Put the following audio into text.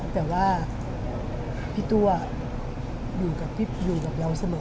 แต่ว่าพี่ตัวอยู่กับพี่อยู่กับเราเสมอ